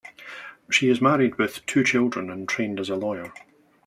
She is married with two children and trained as a lawyer.